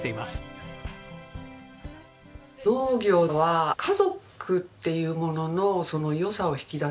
農業は家族っていうもののその良さを引き出せる。